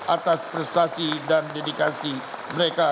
atas prestasi dan dedikasi mereka